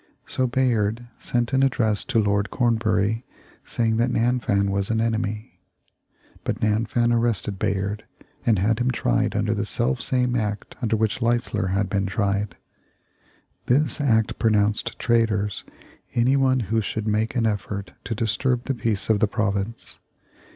So Bayard sent an address to Lord Cornbury saying that Nanfan was an enemy. But Nanfan arrested Bayard, and had him tried under the self same act under which Leisler had been tried. This act pronounced traitors anyone who should make an effort to disturb the peace of the province.